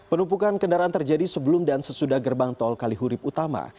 penumpukan kendaraan terjadi sebelum dan sesudah gerbang tol kalihurib utama